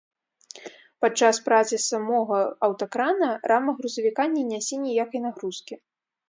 Падчас працы самога аўтакрана рама грузавіка не нясе ніякай нагрузкі.